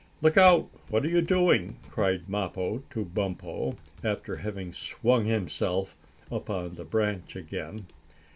"Look out! What are you doing?" cried Mappo to Bumpo, after having swung himself up on the branch again.